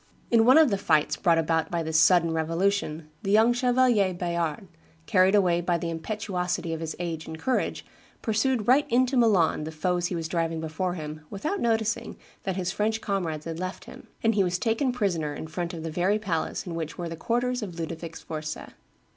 In one of the fights brought about by this sudden revolution the young Chevalier Bayard, carried away by the impetuosity of his age and courage, pursued right into Milan the foes he was driving before him, without noticing that his French comrades had left him; and he was taken prisoner in front of the very palace in which were the quarters of Ludovic Sforza.